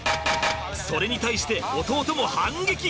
それに対して弟も反撃！